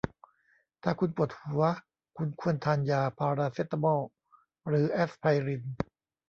ถ้าคุณปวดหัว คุณควรทานยาพาราเซตามอลหรือแอสไพริน